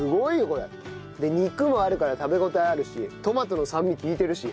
で肉もあるから食べ応えあるしトマトの酸味利いてるし。